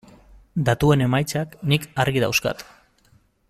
Datuen emaitzak nik argi dauzkat.